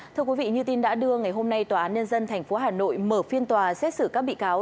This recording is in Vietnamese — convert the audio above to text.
thưa quý vị như tin đã đưa ngày hôm nay tòa án nhân dân tp hà nội mở phiên tòa xét xử các bị cáo